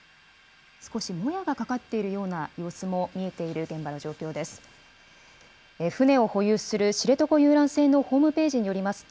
少しもやがかかっているような様子も見えている現場の状況です。